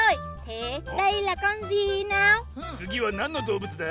つぎはなんのどうぶつだ？